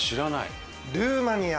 ルーマニア！？